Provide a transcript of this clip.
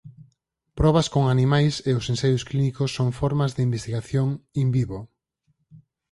Probas con animais e os ensaios clínicos son formas de investigación "in vivo".